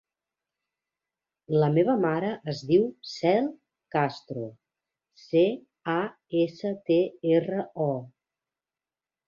La meva mare es diu Cel Castro: ce, a, essa, te, erra, o.